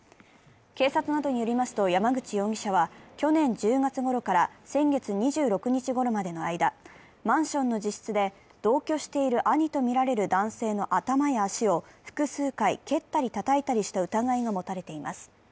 警察などによりますと、山口容疑者は去年１０月ごろから先月２６日ごろまでの間、マンションの自室で同居している兄とみられる男性の頭や足を複数回、蹴ったりたたいたりした疑いが持たれています。